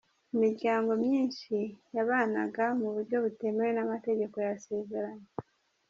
Imiryango myinci yabanaga mu buryo butemewe n’amategeko yasezeranye